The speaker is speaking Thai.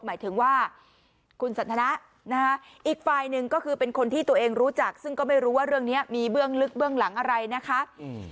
หมายถึงว่าคุณสันทนะอีกฝ่ายหนึ่งก็คือเป็นคนที่ตัวเองรู้จักซึ่งก็ไม่รู้ว่าเรื่องนี้มีเบื้องลึกเบื้องหลังอะไรนะคะ